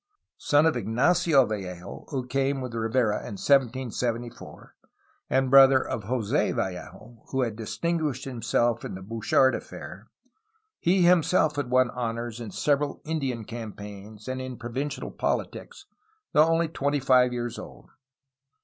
Son of Ignacio Vallejo, who came with Rivera in 1774, and broth 464 A HISTORY OF CALIFORNIA er of Jos6 Vallejo, who had distinguished himself in the Bouchard affair, he himself had won honors in several Indian campaigns and in provincial politics, though only twenty five years old.